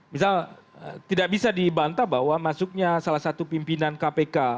misal tidak bisa dibantah bahwa masuknya salah satu pimpinan kpk